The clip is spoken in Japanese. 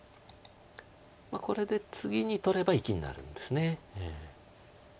これで次に取れば生きになるんです。